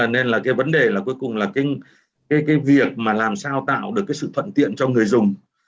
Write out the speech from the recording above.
nên là vấn đề cuối cùng là việc làm sao tạo được sự phận tiện cho người dùng